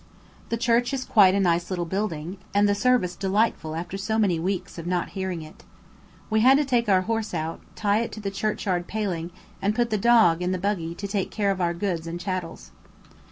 The Church is quite a nice little building, and the service delightful after so many weeks of not hearing it. We had to take our horse out, tie it to the churchyard paling, and put the dog, in the buggy to take care of our goods and chattels.